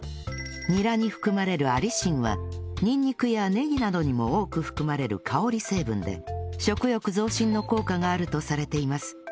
ニラに含まれるアリシンはにんにくやねぎなどにも多く含まれる香り成分で食欲増進の効果があるとされています